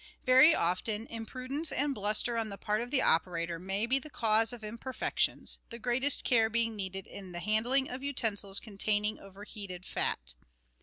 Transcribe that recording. Very often imprudence and bluster on the part of the operator may be the cause of imperfections, the greatest care being needed in the handling of utensils containing overheated fat.